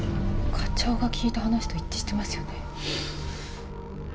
課長が聞いた話と一致してますよね。